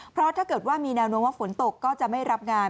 เพราะถ้าเกิดว่ามีแนวโน้มว่าฝนตกก็จะไม่รับงาน